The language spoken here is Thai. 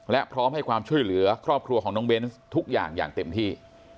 และพร้อมให้ความช่วยเหลือครอบครัวของน้องเบนส์ทุกอย่างอย่างเต็มที่